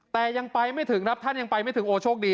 แต่ยังไปไม่ถึงครับท่านยังไปไม่ถึงโอ้โชคดี